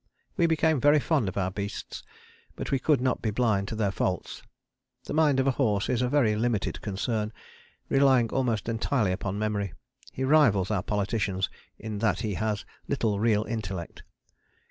We became very fond of our beasts but we could not be blind to their faults. The mind of a horse is a very limited concern, relying almost entirely upon memory. He rivals our politicians in that he has little real intellect.